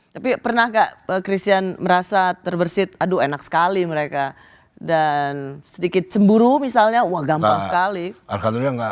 tapi pernah nggak christian merasa terbersih aduh enak sekali mereka dan sedikit cemburu misalnya wah gampang sekali enggak